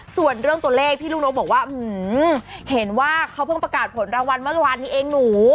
ส่วนเรื่องตัวเลขพี่ลูกนกบอกว่าเห็นว่าเขาเพิ่งประกาศผลรางวัลเมื่อวานนี้เองหนู